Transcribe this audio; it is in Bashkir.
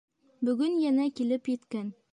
Бөгөн йәнә килеп еткән.